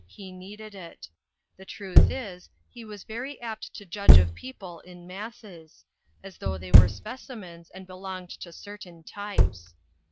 He needed it. The truth is, he was very apt to judge of peo ple in masses ; as though they were speci mens, and belonged to certain types.